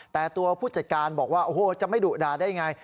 แต่ตัวผู้จัดการบอกว่าโอ้โหจะไม่ดุด่าได้ไง